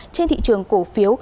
trên thị trường cổ phiếu